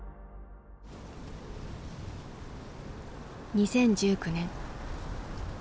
２０１９年。